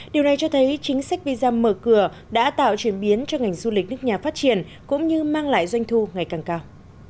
điều này cho thấy chính sách visam mở cửa đã tạo chuyển biến cho ngành du lịch nước nhà phát triển cũng như mang lại doanh thu ngày càng cao